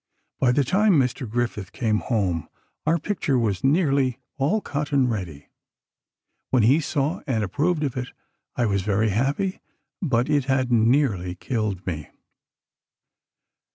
By the time Mr. Griffith came home, our picture was nearly all cut, and ready. When he saw and approved of it, I was very happy, but it had nearly killed me."